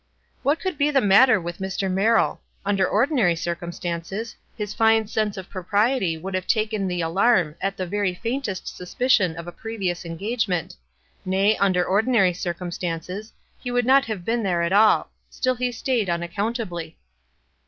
What could be the matter with Mr. Merrill? Under ordinary circumstances, his fine sense of propriety would have taken the alarm at the very faintest suspicion of a previous engage ment, — nay, under ordinary circumstances, he would not have been there at all ; still he stayed unaccountably.